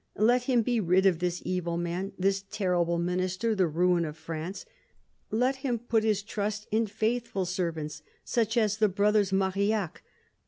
Let him be rid of this evil man, this terrible Minister, the ruin of France ! Let him put his trust in faithful servants such as the brothers Marillac.